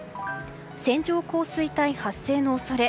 線状降水帯発生の恐れ。